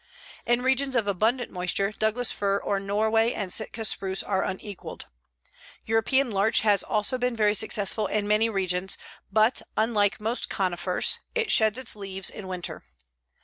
In regions of abundant moisture Douglas fir or Norway and Sitka spruce are unequaled. European larch has also been very successful in many regions, but, unlike most conifers, it sheds its leaves in winter.